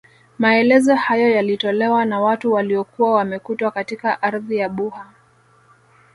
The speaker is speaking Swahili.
Maelezo hayo yalitolewa na watu waliokuwa wamekutwa katika ardhi ya Buha